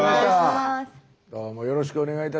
よろしくお願いします。